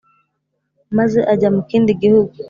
maze ajya mu kindi gihugu